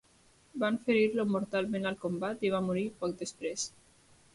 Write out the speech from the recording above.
Van ferir-lo mortalment al combat i va morir poc després.